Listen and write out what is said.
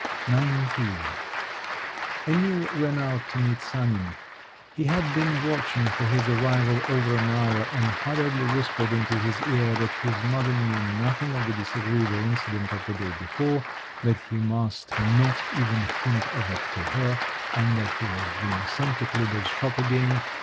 XIX Emil ran out to meet Sanin—he had been watching for his arrival over an hour—and hurriedly whispered into his ear that his mother knew nothing of the disagreeable incident of the day before, that he must not even hint of it to her, and that he was being sent to Klüber's shop again!